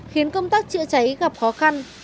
khiến công tác trựa cháy gặp khó khăn